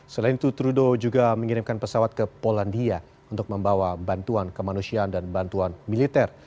selain itu trudeau juga mengirimkan pesawat ke polandia untuk membawa bantuan kemanusiaan dan bantuan militer